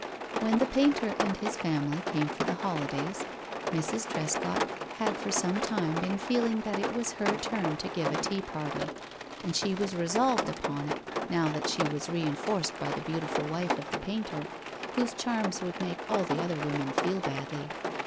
When the painter and his family came for the holidays, Mrs. Trescott had for some time been feeling that it was her turn to give a tea party, and she was resolved upon it now that she was reinforced by the beautiful wife of the painter, whose charms would make all the other women feel badly.